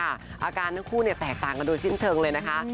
อาการทั้งคู่แตกต่างกันโดยสิ้นเชิงเลยนะคะ